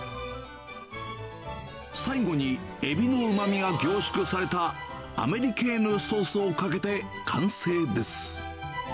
最後にエビのうまみが凝縮されたアメリケーヌソースをかけて完成です。